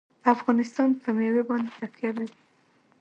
افغانستان په مېوې باندې تکیه لري.